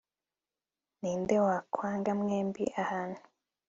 Ninde wakwanga mwembi ahantu